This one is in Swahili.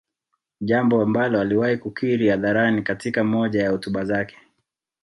Jambo ambalo aliwahi kukiri hadharani katika moja ya hotuba zake